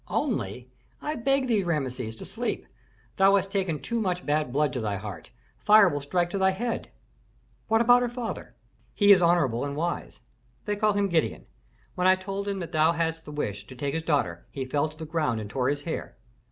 "Only? I beg thee, Rameses, to sleep. Thou hast taken too much bad blood to thy heart, fire will strike to thy head." "What about her father?" "He is honorable and wise. They call him Gideon. When I told him that thou hadst the wish to take his daughter, he fell on the ground and tore his hair.